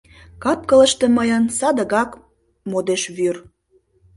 Кап-кылыште мыйын садыгак модеш вӱр.